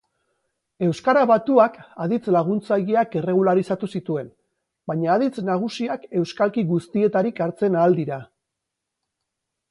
Euskara Batuak aditz laguntzaileak erregularizatu zituen, baina aditz nagusiak euskalki guztietarik hartzen ahal dira.